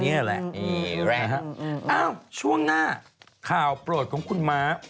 นี่แหละฮะอ้าวช่วงหน้าข่าวโปรดของคุณม้า